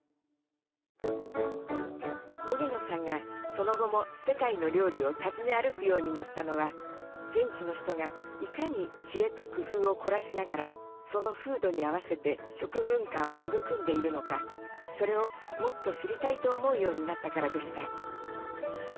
荻野さんがその後も世界の料理を訪ね歩くようになったのは現地の人がいかに知恵と工夫を凝らしながらその風土に合わせて食文化を育んでいるのかそれをもっと知りたいと思うようになったからでした。